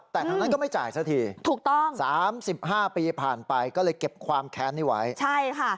แต่ทั้งด้านก็ไม่จ่ายเสียทีสาม๑๕ปีผ่านไปก็เลยเก็บความแคร์ซที่ไว้ถึงใช้ค่ะ